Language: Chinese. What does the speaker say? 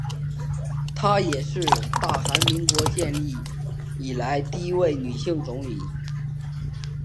她也是大韩民国建国以来的第一位女性总理。